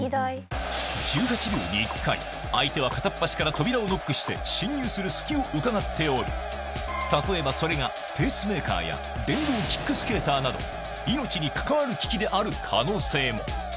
１８秒に１回、相手は片っ端から扉をノックして、侵入する隙をうかがっており、例えば、それがペースメーカーや、電動キックスケーターなど、命に関わる機器である可能性も。